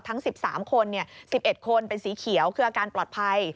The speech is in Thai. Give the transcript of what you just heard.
ทั้ง๑๓คน๑๑คนเป็นสีเขียวคืออาการปลอดภัย